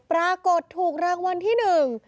ปรากฏถูกรางวัลที่หนึ่ง